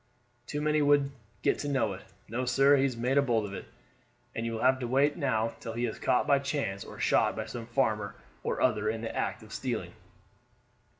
Too many would get to know it. No, sir, he's made a bolt of it, and you will have to wait now till he is caught by chance, or shot by some farmer or other in the act of stealing."